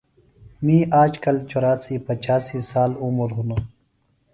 می آجکل چوراسی پچھاسی سال عُمر ہِنوۡ